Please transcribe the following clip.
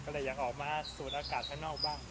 ก็เลยอยากออกมาสูดอากาศข้างนอกบ้าง